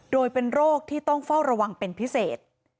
โดยเป็นโรคที่ต้องเฝ้าระวังเป็นพิเศษ